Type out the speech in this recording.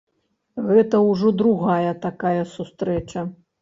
Гэта ўжо другая такая сустрэча.